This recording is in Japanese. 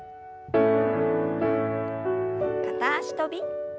片脚跳び。